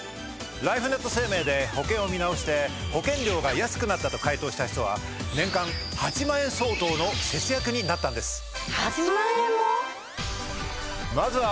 ライフネット生命で保険を見直して保険料が安くなったと回答した人は年間８万円相当の節約になったんです。